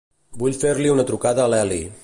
Vull fer-li una trucada a l'Eli.